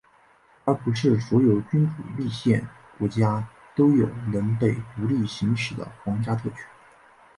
然而不是所有君主立宪国家都有能被独立行使的皇家特权。